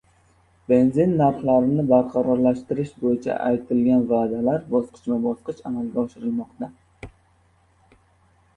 Benzin narxlarini barqarorlashtirish bo‘yicha aytilgan va’dalar bosqichma – bosqich amalga oshirilmoqda